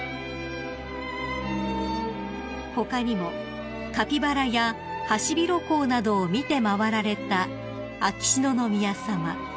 ［他にもカピバラやハシビロコウなどを見て回られた秋篠宮さま］